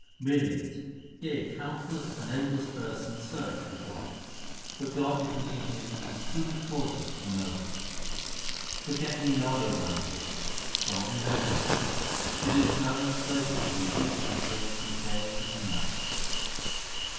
Millions, yea, countless and endless persons search for God ; HYMNS OF GURU ARJAN 393 But God is near him whom He causeth to know Him. Forget me not, O Bountiful One ; grant me Thy name. It is Nanak s pleasure to repeat Thy praises day and night.